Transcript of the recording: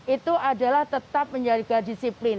itu adalah tetap menjaga disiplin